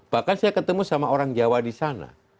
bahkan saya ketemu sama orang jawa di sana